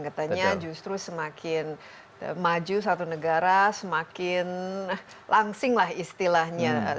katanya justru semakin maju satu negara semakin langsinglah istilahnya